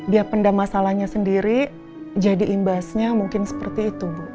dia pendam masalahnya sendiri jadi imbasnya mungkin seperti itu bu